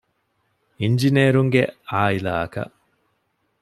އިންޖިނޭރުންގެ ޢާއިލާ އަކަށް